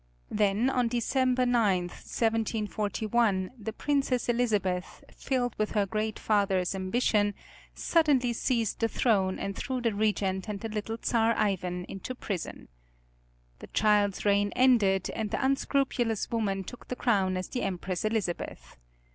Then on December 9, 1741, the Princess Elizabeth, filled with her great father's ambition, suddenly seized the throne, and threw the regent and the little Czar Ivan into prison. The child's reign ended, and the unscrupulous woman took the crown as the Empress Elizabeth.